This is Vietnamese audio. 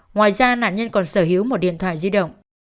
ngoài ra nạn nhân còn sở hữu một điện thoại di động